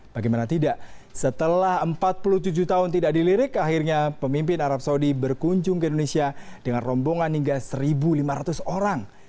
bagaimana tidak setelah empat puluh tujuh tahun tidak dilirik akhirnya pemimpin arab saudi berkunjung ke indonesia dengan rombongan hingga satu lima ratus orang